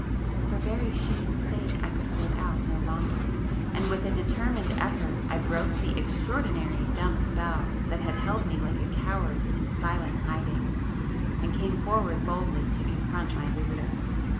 For very shame's sake I could hold out no longer,—and with a determined effort I broke the extraordinary dumb spell that had held me like a coward in silent hiding, and came forward boldly to confront my visitor.